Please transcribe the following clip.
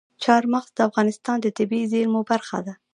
چار مغز د افغانستان د طبیعي زیرمو برخه ده.